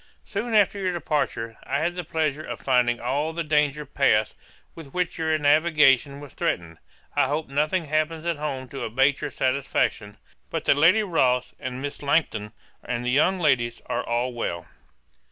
'Soon after your departure, I had the pleasure of finding all the danger past with which your navigation was threatened. I hope nothing happens at home to abate your satisfaction; but that Lady Rothes, and Mrs. Langton, and the young ladies, are all well.